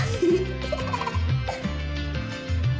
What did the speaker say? eh bangun dulu